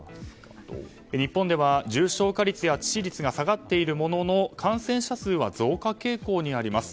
日本では重症化率や致死率が下がっているものの感染者数は増加傾向にあります。